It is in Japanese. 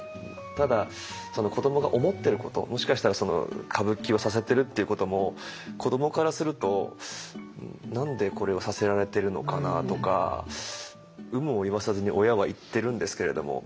ただ子どもが思ってることもしかしたら歌舞伎をさせてるっていうことも子どもからすると何でこれをさせられてるのかなとか有無を言わさずに親は言ってるんですけれども。